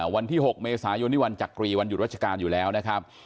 วันที่๖เมษายนนี่วันจักรีวันหยุดราชการอยู่แล้วนะครับ